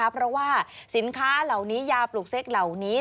เพราะว่าสินค้าเหล่านี้ยาปลูกเซ็กเหล่านี้